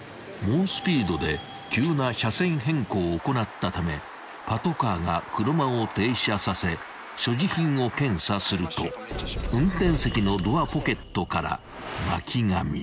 ［猛スピードで急な車線変更を行ったためパトカーが車を停車させ所持品を検査すると運転席のドアポケットから］